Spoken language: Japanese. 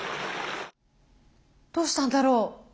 どうしたんだろう？